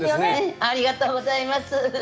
ありがとうございます。